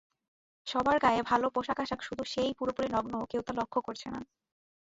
সবার গায়ে ভালো পোশাকআশাক, শুধু সে-ই পুরোপুরি নগ্ন কেউ তা লক্ষ করছে না!